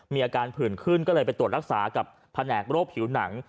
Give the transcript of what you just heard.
มีอาการผื่นขึ้นก็เลยไปตรวจรักษากับแผนกโรคผิวหนัง